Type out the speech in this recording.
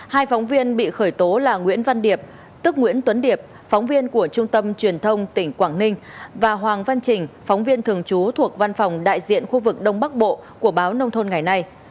hai phóng viên bị khởi tố là nguyễn văn điệp tức nguyễn tuấn điệp phóng viên của trung tâm truyền thông tỉnh quảng ninh và hoàng văn trình phóng viên thường trú thuộc văn phòng đại diện khu vực đông bắc bộ của báo nông thôn ngày nay